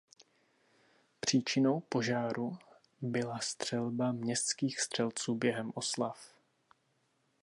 Příčinou požáru byla střelba městských střelců během oslav.